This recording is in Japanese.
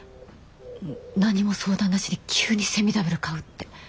何も相談なしに急にセミダブル買うって。